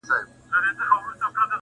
ستا د نظره هسې نۀ ويرېدم